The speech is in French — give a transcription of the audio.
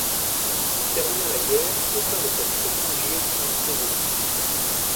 Il termina la guerre au sein de cette prestigieuse unité d'élite.